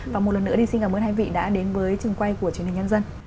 và một lần nữa thì xin cảm ơn hai vị đã đến với trường quay của truyền hình nhân dân